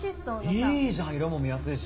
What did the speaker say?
いいじゃん色も見やすいし！